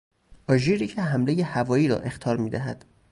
آژیری که حملهی هوایی را اخطار میدهد